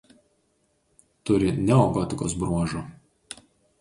Turi neogotikos bruožų.